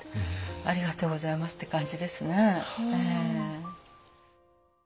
ありがとうございますって感じですね。